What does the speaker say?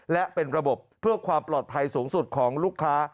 และเป็นระบบเพื่อความปลอดภัยสูงสุดของลูกค้า